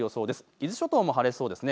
伊豆諸島も晴れそうですね。